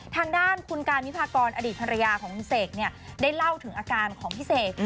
ทางด้านคุณการวิพากรอดีตภรรยาของคุณเสกได้เล่าถึงอาการของพี่เสก